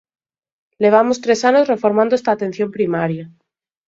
Levamos tres anos reformando esta atención primaria.